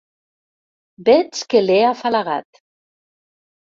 Veig que l'he afalagat.